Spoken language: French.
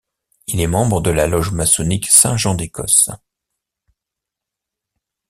Il est membre de la loge maçonnique Saint Jean d'Écosse.